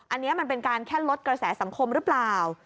อันนี้มันเป็นการแค่ลดกระแสสังคมหรือเปล่า